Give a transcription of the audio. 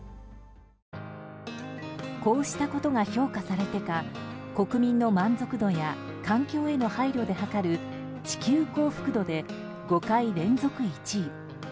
こうしたことが評価されてか国民の満足度や環境への配慮で測る地球幸福度で５回連続１位。